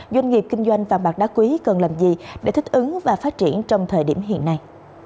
doanh nghiệp kinh doanh vàng bạc đá quý cần làm gì để thích ứng và phát triển trong thời điểm hiện nay